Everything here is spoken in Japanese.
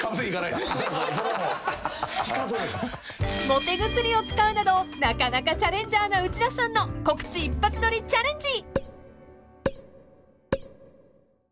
［モテ薬を使うなどなかなかチャレンジャーな内田さんの告知一発撮りチャレンジ］